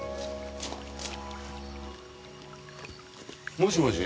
もしもし？